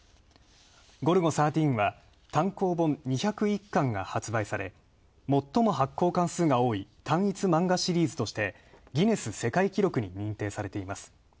「ゴルゴ１３」は単行本２０１巻が発売され、最も発行巻数が多い単一漫画シリーズとしてギネス世界記録に認定されています。